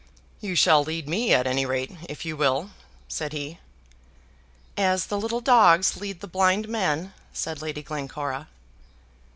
"You shall lead me at any rate, if you will," said he. "As the little dogs lead the blind men," said Lady Glencora.